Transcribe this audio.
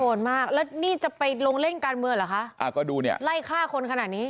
มากแล้วนี่จะไปลงเล่นการเมืองเหรอคะอ่าก็ดูเนี่ยไล่ฆ่าคนขนาดนี้